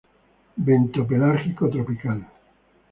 Bentopelágico tropical.